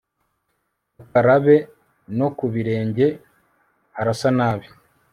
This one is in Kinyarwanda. ukarabe no ku birenge harasanabi